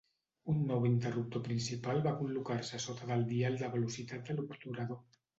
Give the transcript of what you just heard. Un nou interruptor principal va col·locar-se a sota del dial de velocitat de l'obturador.